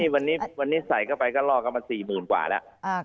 วันนี้ใส่เข้าไปก็ลอกเข้ามา๔๐๐๐กว่าแล้ว